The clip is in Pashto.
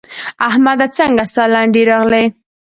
احمده څنګه سالنډی راغلې؟!